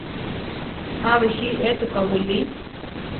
A bíji étuka wili.